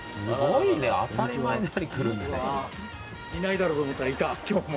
いないだろうと思ったらいた今日も。